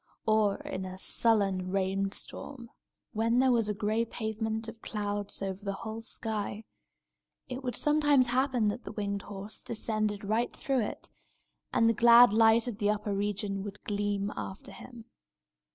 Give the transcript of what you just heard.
Or, in a sullen rain storm, when there was a gray pavement of clouds over the whole sky, it would sometimes happen that the winged horse descended right through it, and the glad light of the upper region would gleam after him.